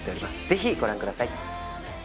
ぜひご覧ください。